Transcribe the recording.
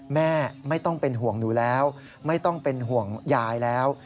แม่ไม่ต้องเป็นห่วงหนูแล้วไม่ต้องเป็นห่วงยายแล้ว